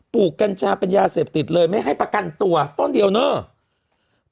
กัญชาเป็นยาเสพติดเลยไม่ให้ประกันตัวต้นเดียวเนอร์